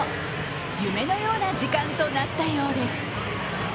夢のような時間となったようです。